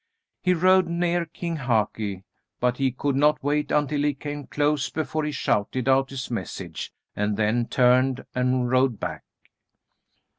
He rode near King Haki, but he could not wait until he came close before he shouted out his message and then turned and rode back.